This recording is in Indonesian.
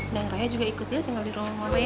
dan raya juga ikut ya tinggal di rumah mama ya